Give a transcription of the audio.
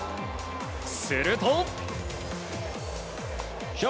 すると。